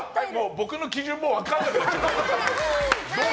僕の基準も分かんなくなっちゃった。